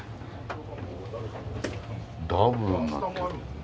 ダブルになってる。